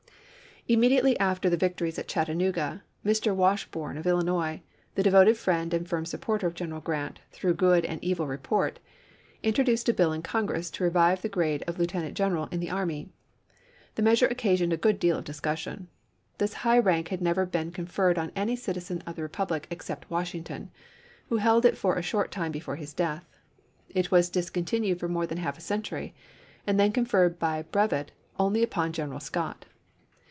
Immediately after the victories at Chattanooga Mr. Washburne of Illinois, the devoted friend and firm supporter of General Grant through good and evil report, introduced a bill in Congress to revive the gi ade of lieutenant general in the army. The measure occasioned a good deal of discussion. This high rank had never been conferred on any citizen of the republic except Washington, who held it for a short time before his death. It was discontinued for more than half a century and then conferred by brevet only upon General Scott.